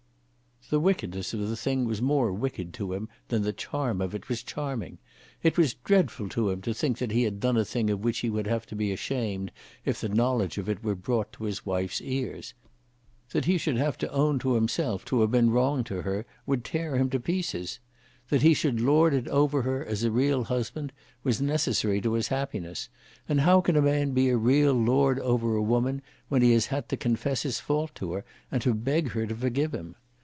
The wickedness of the thing was more wicked to him than the charm of it was charming. It was dreadful to him to think that he had done a thing of which he would have to be ashamed if the knowledge of it were brought to his wife's ears. That he should have to own himself to have been wrong to her would tear him to pieces! That he should lord it over her as a real husband, was necessary to his happiness, and how can a man be a real lord over a woman when he has had to confess his fault to her, and to beg her to forgive him?